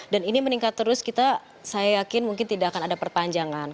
dan ini meningkat terus kita saya yakin mungkin tidak akan ada perpanjangan